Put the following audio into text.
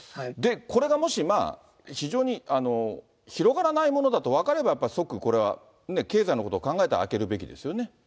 これがもしまあ、非常に広がらないものだと分かれば、即これは経済のことを考えて開けるべきですよね。